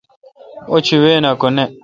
اوچھی وین ہکہ نہ۔